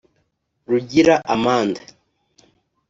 Rugira Amandin